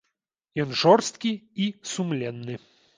Ён жорсткі і сумленны.